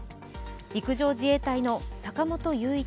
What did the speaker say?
陸上自衛隊の坂本雄一